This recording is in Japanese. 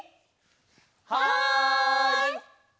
はい！